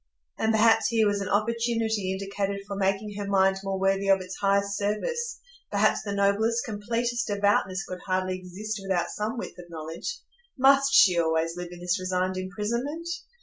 And perhaps here was an opportunity indicated for making her mind more worthy of its highest service; perhaps the noblest, completest devoutness could hardly exist without some width of knowledge; must she always live in this resigned imprisonment?